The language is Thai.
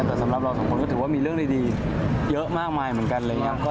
แต่สำหรับเราสองคนก็ถือว่ามีเรื่องดีเยอะมากมายเหมือนกันอะไรอย่างนี้ครับ